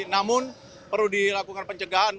namun perlu dilakukan pencegahan